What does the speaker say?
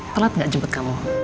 telat gak jemput kamu